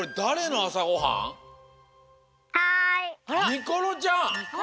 みころちゃん。